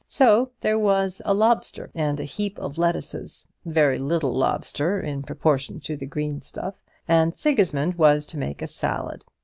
So there was a lobster and a heap of lettuces, very little lobster in proportion to the green stuff, and Sigismund was to make a salad.